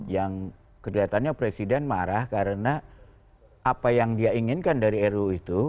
yang kelihatannya presiden marah karena apa yang dia inginkan dari ru itu